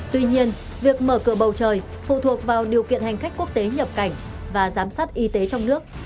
tuy nhiên việc mở cửa bầu trời phụ thuộc vào điều kiện hành khách quốc tế nhập cảnh và giám sát y tế trong nước